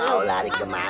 mau lari kemana